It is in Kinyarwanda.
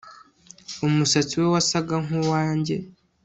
Umusatsi we wasaga nkuwanjye